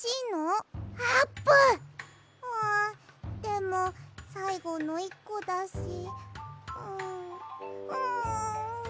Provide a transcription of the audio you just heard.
んでもさいごの１こだしんん。